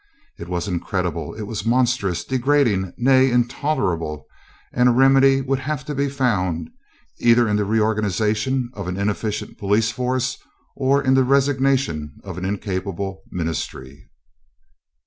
It was incredible, it was monstrous, degrading, nay, intolerable, and a remedy would have to be found either in the reorganisation of an inefficient police force or in the resignation of an incapable Ministry.